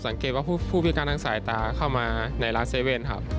สังเกตว่าผู้พิการทางสายตาเข้ามาในร้าน๗๑๑ครับ